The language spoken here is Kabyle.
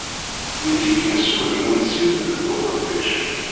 Wid yekkin s wudem unsib deg uqeddic.